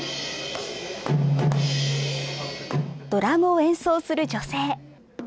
ドラムを演奏する女性。